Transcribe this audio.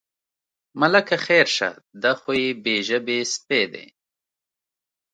ملکه خیر شه، دا خو یو بې ژبې سپی دی.